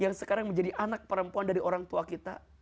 yang sekarang menjadi anak perempuan dari orang tua kita